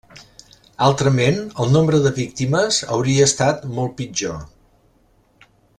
Altrament, el nombre de víctimes hauria estat molt pitjor.